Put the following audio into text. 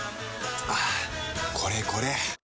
はぁこれこれ！